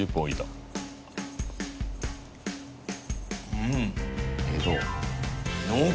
うん。